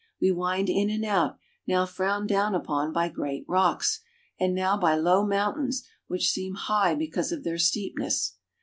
We wind in and out, now frowned down upon by great rocks, and now by low mountains which seem high because of their steepness.